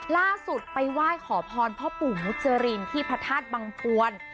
ล่าสุดไปไหว้ขอพรพ่อปู่มุจรินที่พระธาตุบังพวน